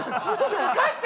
帰って！